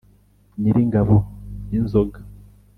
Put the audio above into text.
nyiri ingabo y’ingoga,